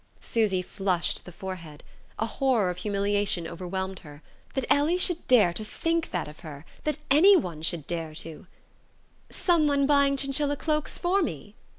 Susy flushed to the forehead. A horror of humiliation overwhelmed her. That Ellie should dare to think that of her that anyone should dare to! "Someone buying chinchilla cloaks for me?